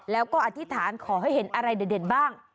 แล้วก็อธิษฐานขอให้เห็นอะไรเด่นบ้าง